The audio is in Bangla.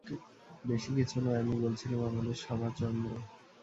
বেশি কিছু নয়, আমি বলছিলুম আমাদের সভা– চন্দ্র।